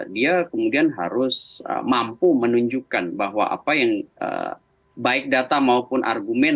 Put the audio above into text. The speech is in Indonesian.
dia kemudian harus mampu menunjukkan bahwa apa yang baik data maupun argumen